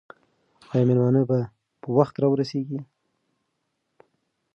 آیا مېلمانه به په وخت راورسېږي؟